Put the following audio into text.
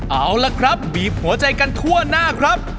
เอาล่ะครับบีบหัวใจกันทั่วหน้าครับ